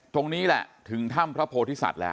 ตรงนี้แหละถึงถ้ำพระโพธิสัตว์แล้ว